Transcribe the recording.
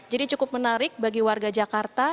cukup menarik bagi warga jakarta